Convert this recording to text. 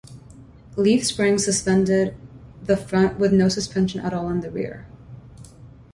Leaf springs suspended the front with no suspension at all in the rear.